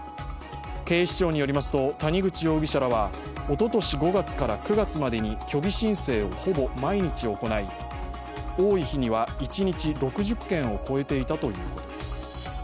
警視庁によりますと、谷口容疑者らは、おととし５月から９月までに虚偽申請をほぼ毎日行い、多い日には一日６０件を超えていたということです。